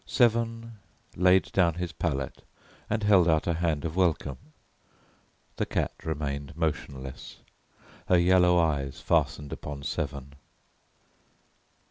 Severn laid down his palette, and held out a hand of welcome. The cat remained motionless, her yellow eyes fastened upon Severn.